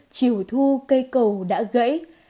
chiều thu cây cầu đã gãy